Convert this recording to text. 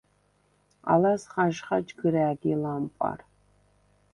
ალას ხაჟხა ჯგჷრა̄̈გი ლამპა̈რ.